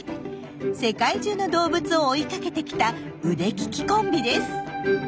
世界中の動物を追いかけてきた腕利きコンビです。